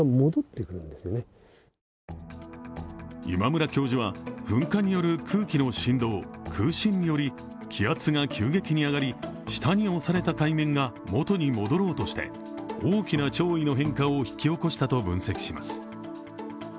今村教授は噴火による空気の振動、空振により気圧が急激に上がり、下に押された海面が元に戻ろうとして大きな潮位の変化を引き起こしたと分析します。